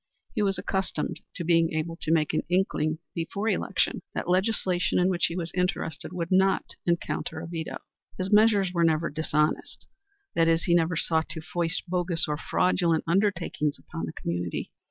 He was accustomed to be able to obtain an inkling before election that legislation in which he was interested would not encounter a veto. His measures were never dishonest. That is, he never sought to foist bogus or fraudulent undertakings upon the community.